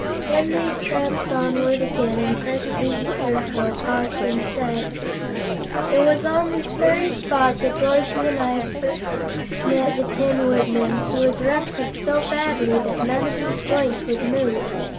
Then they tramped onward again, and presently the Scarecrow paused and said: "It was on this very spot that Dorothy and I first met the Tin Woodman, who was rusted so badly that none of his joints would move.